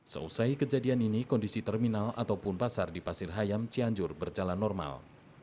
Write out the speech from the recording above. seusai kejadian ini kondisi terminal ataupun pasar di pasir hayam cianjur berjalan normal